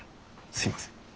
すいません。